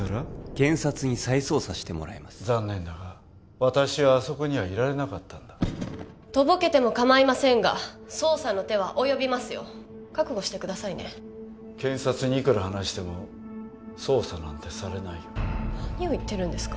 検察に再捜査してもらいます残念だが私はあそこにはいられなかったんだとぼけてもかまいませんが捜査の手は及びますよ覚悟してくださいね検察にいくら話しても捜査なんてされないよ何を言ってるんですか？